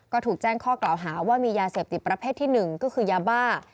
ก็ถูกแจ้งข้อกล่าวหาว่ามียาเสพติดประเภทที่๑ก็คือยาบ้า